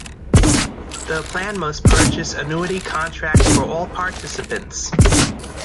The plan must purchase annuity contracts for all participants.